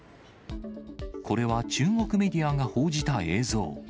これは、中国メディアが報じた映像。